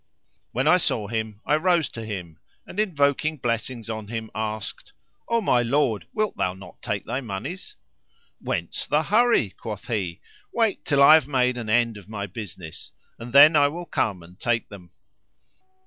When I saw him I rose to him and invoking blessings on him asked, O my lord, wilt thou not take thy monies?" "Whence the hurry?"[FN#514] quoth he, "Wait till I have made an end of my business and then I will come and take them."